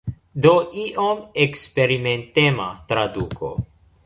Do iom eksperimentema traduko.